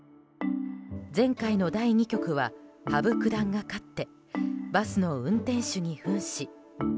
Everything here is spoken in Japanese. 前回の第２局は羽生九段が勝ってバスの運転手に扮し。